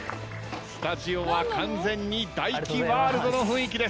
スタジオは完全にＤＡＩＫＩワールドの雰囲気です。